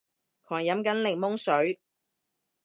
狂飲緊檸檬水